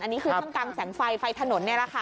อันนี้คือท่ามกลางแสงไฟไฟถนนนี่แหละค่ะ